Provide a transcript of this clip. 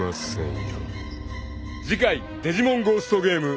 ［次回『デジモンゴーストゲーム』］